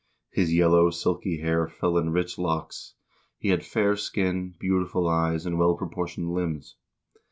His yellow, silky hair fell in rich locks ; he had fair skin, beautiful eyes, and well proportioned limbs.